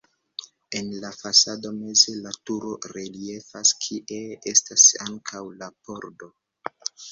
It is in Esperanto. En la fasado meze la turo reliefas, kie estas ankaŭ la pordo.